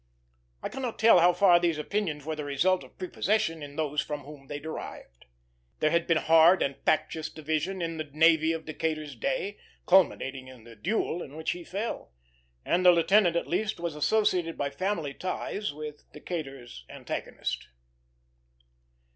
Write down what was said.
I cannot tell how far these opinions were the result of prepossession in those from whom they derived. There had been hard and factious division in the navy of Decatur's day, culminating in the duel in which he fell; and the lieutenant, at least, was associated by family ties with Decatur's antagonist.